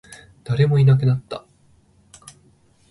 誰もいなくなった